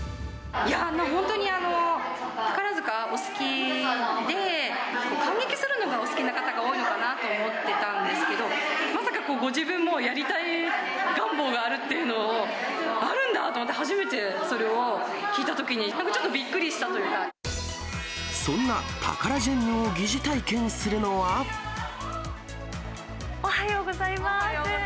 本当に宝塚をお好きで、観劇するのがお好きな方が多いのかなと思ってたんですけど、まさかご自分もやりたい願望があるっていうのを、あるんだと思って、初めてそれを聞いたときに、なんかちょっとびっくりしたといそんなタカラジェンヌを疑似おはようございます。